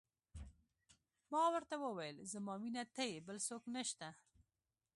ما ورته وویل: زما مینه ته یې، بل څوک نه شته.